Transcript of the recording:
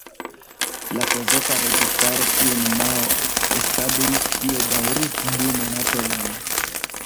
La Soveta registaro kiun Mao establis tie daŭris du monatojn.